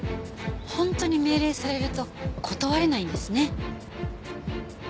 本当に命令されると断れないんですね。